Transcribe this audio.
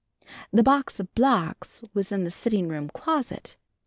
The box of blocks was in the sitting room closet.